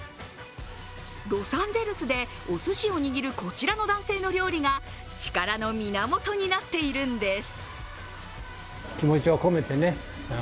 ロサンゼルスでおすしを握るこちらの男性の料理が力の源になっているんです。